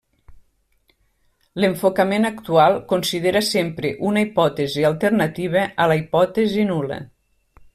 L'enfocament actual considera sempre una hipòtesi alternativa a la hipòtesi nul·la.